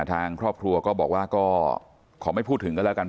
ทางครอบครัวก็บอกว่าก็ขอไม่พูดถึงกันแล้วกัน